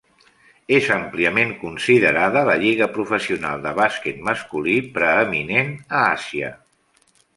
És àmpliament considerada la lliga professional de bàsquet masculí preeminent a Àsia.